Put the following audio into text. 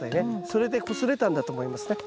それでこすれたんだと思いますね。